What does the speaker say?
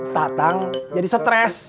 tatang jadi stres